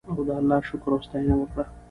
او د الله شکر او ستاینه یې وکړه.